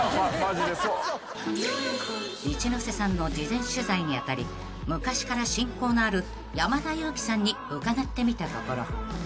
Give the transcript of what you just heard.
［一ノ瀬さんの事前取材に当たり昔から親交のある山田裕貴さんに伺ってみたところ］